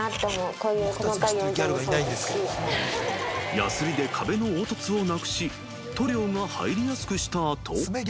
［やすりで壁の凹凸をなくし塗料が入りやすくした後］